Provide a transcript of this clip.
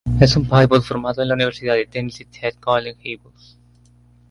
Es un pívot formado en la universidad de Tennessee Tech Golden Eagles.